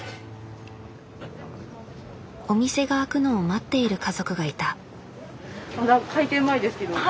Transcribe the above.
お店が開くのを待っている家族がいた。